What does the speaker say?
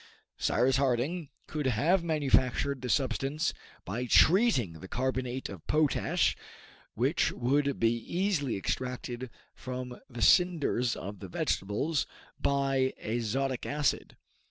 Cyrus Harding could have manufactured this substance by treating the carbonate of potash, which would be easily extracted from the cinders of the vegetables, by azotic acid.